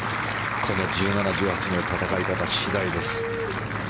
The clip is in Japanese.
この１７、１８の戦い方次第です。